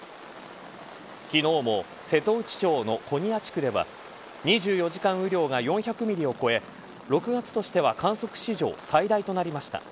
昨日も瀬戸内町の古仁屋地区では２４時間雨量が４００ミリを超え６月としては観測史上最大となりました。